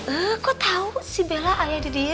eh kok tau si bella ayahnya dia